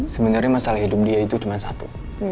sebenarnya masalah hidup dia itu cuma satu